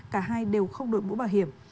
cả hai đều không đội bũ bảo hiểm